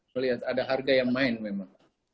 melihat ada harga yang main memang